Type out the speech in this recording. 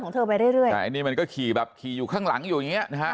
แต่อันนี้มันก็ขี่แบบขี่อยู่ข้างหลังอยู่อย่างเงี้ยนะฮะ